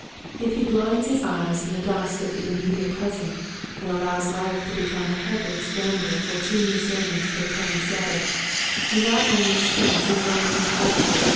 If he blinds his eyes in the dust of the immediate present and allows life to become a haggard scramble for two new sermons for the coming Sabbath, he not only stunts his own intellectual de.